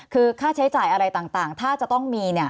คือค่าใช้จ่ายอะไรต่างถ้าจะต้องมี